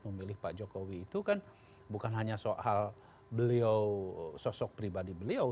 memilih pak jokowi itu kan bukan hanya soal beliau sosok pribadi beliau